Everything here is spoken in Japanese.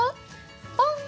ポン！